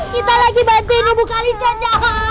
kita lagi bantuin ibu kalisa dong